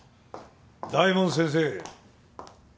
大門先生。